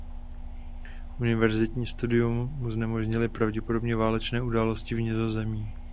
Univerzitní studium mu znemožnily pravděpodobně válečné události v Nizozemí.